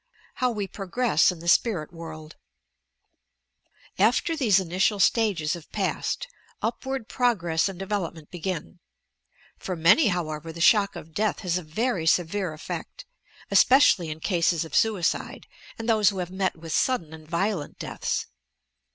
HOW WB PROOKESS IN THE SPIEIT WORLD After these initial stages have passed, upward progren and development begin. For many, however, the shock of death has a very severe efifeet, especially in cases of suicide and those who have met with sudden and vio lent deaths.